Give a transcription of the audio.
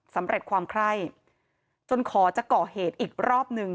สำเร็จความไคร้จนขอจะก่อเหตุอีกรอบหนึ่ง